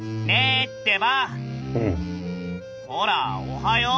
ほらおはよう。